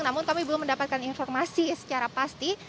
namun kami belum mendapatkan informasi secara pasti